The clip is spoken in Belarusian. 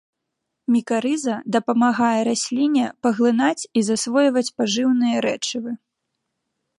Мікарыза дапамагае расліне паглынаць і засвойваць пажыўныя рэчывы.